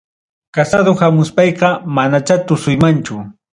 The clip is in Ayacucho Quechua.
Casado hamuspayqa manacha tusuymanchu